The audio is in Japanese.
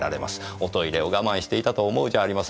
おトイレを我慢していたと思うじゃありませんか。